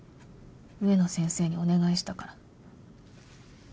植野先生にお願いしたから。